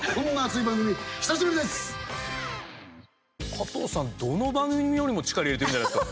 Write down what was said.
加藤さん、どの番組よりも力、入れてるんじゃないですか。